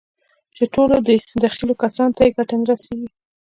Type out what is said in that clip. چې ټولو دخيلو کسانو ته يې ګټه نه رسېږي.